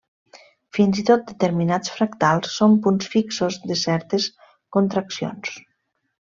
Fins i tot determinats fractals són punts fixos de certes contraccions.